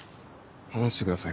離してください